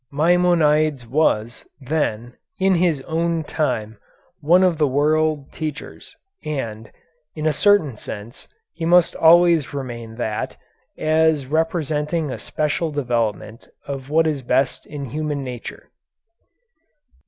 Maimonides was, then, in his own time one of the world teachers, and, in a certain sense, he must always remain that, as representing a special development of what is best in human nature.